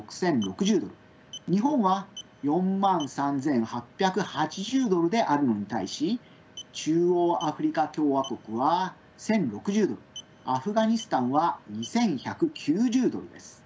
日本は４３，８８０ドルであるのに対し中央アフリカ共和国は１，０６０ドルアフガニスタンは２，１９０ドルです。